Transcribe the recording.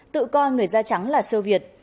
tự coi người da trắng là sơ việt